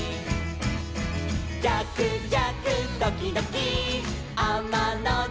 「じゃくじゃくドキドキあまのじゃく」